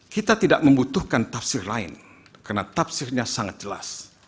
kita tidak membutuhkan tafsir lain karena tafsirnya sangat jelas